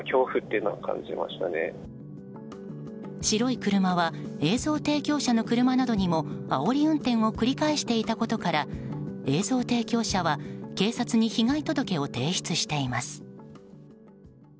白い車は映像提供者の車などにもあおり運転を繰り返していたことから映像提供者は警察に被害届を提出しています。